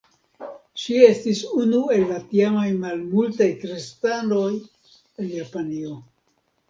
Ŝi estis unu el la tiamaj malmultaj kristanoj en Japanio.